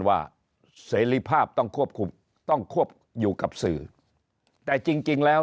เสรีภาพต้องควบคุมต้องควบอยู่กับสื่อแต่จริงจริงแล้ว